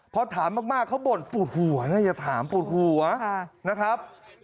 พอถามมากเขาบ่นปูดหูวะเนี่ยอย่าถามปูดหูวะนะครับ